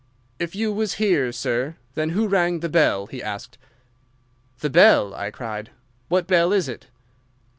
"'If you was here, sir, then who rang the bell?' he asked. "'The bell!' I cried. 'What bell is it?